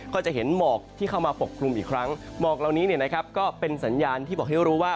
ก็จะเห็นหมอกที่เข้ามาปกคลุมอีกครั้งหมอกเหล่านี้เนี่ยนะครับก็เป็นสัญญาณที่บอกให้รู้ว่า